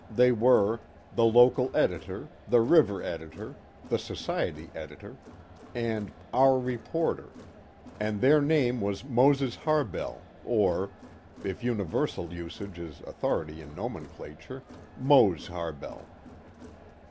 They were: the Local Editor, the River Editor, the Society Editor, and "Our Reporter," and their name was Moses Harbell, or, if universal usage is authority in nomenclature, "Mose" Harbell.